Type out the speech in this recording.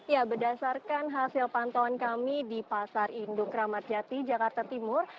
ya berdasarkan hasil pantauan kami di pasar induk ramadjati jakarta timur